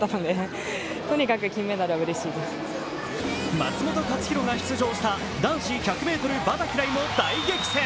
松元克央が出場した男子１００ｍバタフライも大激戦。